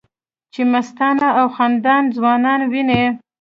چې مستانه او خندانه ځوانان وینې